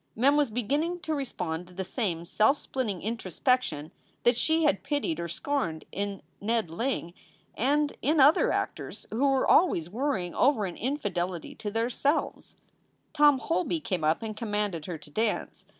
Mem was beginning to respond to the same self splitting introspection that she had pitied or scorned in Ned Ling and in other actors who were always worrying over an infidelity to their Selves. Tom Holby came up and commanded her to dance.